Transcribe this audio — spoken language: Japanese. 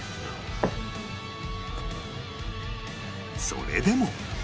それでも